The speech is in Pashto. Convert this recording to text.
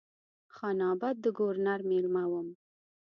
خان آباد د ګورنر مېلمه وم.